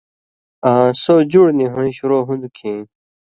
آں سو جُوڑ نی ہویں شُروع ہُوݩدوۡ کھیں